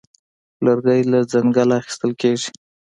لرګی له ځنګله اخیستل کېږي.